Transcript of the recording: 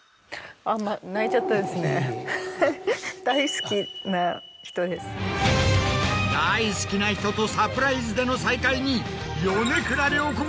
大好きな人とサプライズでの再会に。